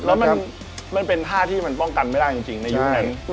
แล้วมันเป็นท่าที่มันป้องกันไม่ได้จริงในยุคนั้น